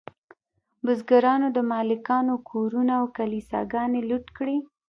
بزګرانو د مالکانو کورونه او کلیساګانې لوټ کړې.